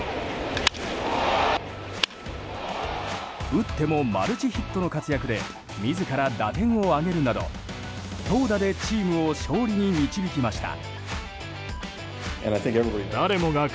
打ってもマルチヒットの活躍で自ら打点を挙げるなど、投打でチームを勝利に導きました。